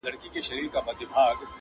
د دېوال شا ته پراته دي څو غيرانه،